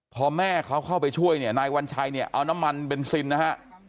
พอแม่เขาเข้าไปช่วยเนี่ยนายวัญชัยเนี่ยเอาน้ำมันเบนซินนะฮะ